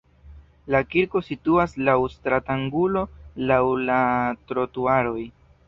La kirko situas laŭ stratangulo laŭ la trotuaroj.